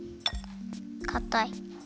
かたい。